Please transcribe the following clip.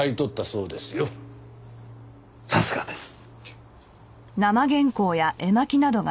さすがです。